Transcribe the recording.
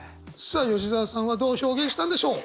さあ吉澤さんはどう表現したんでしょう？